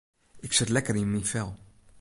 Ik sit lekker yn myn fel.